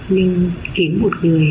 nhưng kiếm một người